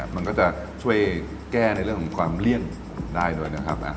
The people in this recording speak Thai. มันก็จะช่วยแก้ในเรื่องของความเลี่ยงได้ด้วยนะครับ